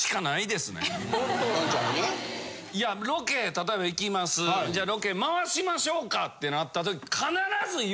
いやロケ例えば行きますじゃあロケ回しましょうかってなった時。